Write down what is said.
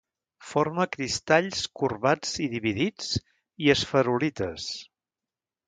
Forma cristalls corbats i dividits, i esferulites.